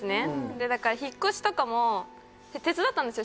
でだから引っ越しとかも手伝ったんですよ